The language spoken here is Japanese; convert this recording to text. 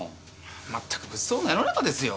まったく物騒な世の中ですよ